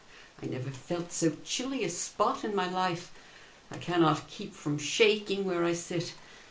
I never felt so chilly a spot in my life. I cannot keep from shaking where I sit.